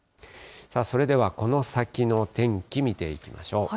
それでは、この先の天気見ていきましょう。